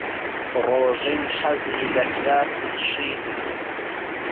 ڕۆژین حەزی لە کراسی شینە.